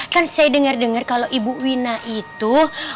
kan saya dengar dengar kalau ibu wina itu